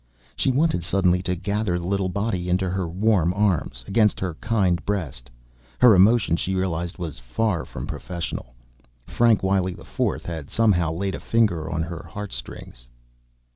She wanted suddenly to gather the little body into her warm arms, against her kind breast. Her emotion, she realized, was far from professional; Frank Wiley IV had somehow laid a finger on her heartstrings.